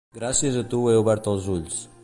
Gràcies a tu he obert els ulls.